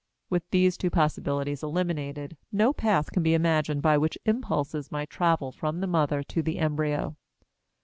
With these two possibilities eliminated, no path can be imagined by which impulses might travel from the mother to the embryo.